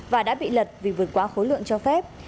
và đã bị lật vì vượt quá khối lượng cho phép